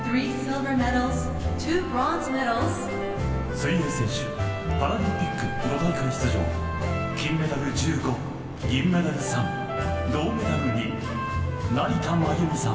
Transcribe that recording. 水泳選手パラリンピック５大会出場金メダル１５、銀メダル３銅メダル２、成田真由美さん。